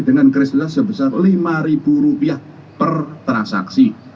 dengan kristilasi sebesar rp lima per transaksi